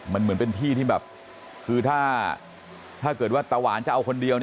มันเหมือนเป็นที่ที่แบบคือถ้าเกิดว่าตาหวานจะเอาคนเดียว